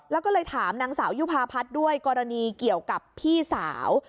แล้วก็เลยถามนางสาวยุภาพัฒน์ด้วยกรณีเกี่ยวกับพี่สาว